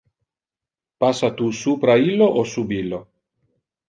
Passa tu supra illo o sub illo?